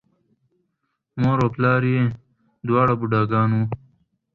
مور و پلار یې دواړه بوډاګان وو،